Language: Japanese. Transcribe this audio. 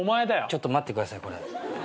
ちょっと待ってくださいこれ。